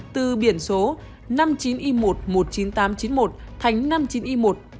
từ biển số năm mươi chín i một một mươi chín nghìn tám trăm chín mươi một thành năm mươi chín i một một mươi tám nghìn tám trăm chín mươi một